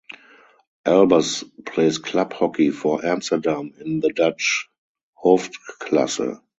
Albers plays club hockey for Amsterdam in the Dutch Hoofdklasse.